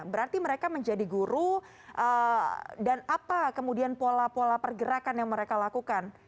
berarti mereka menjadi guru dan apa kemudian pola pola pergerakan yang mereka lakukan